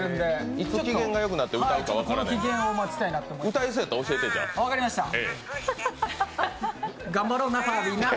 いつ機嫌がよくなって歌うか分からない。